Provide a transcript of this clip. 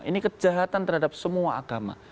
ini kejahatan terhadap semua agama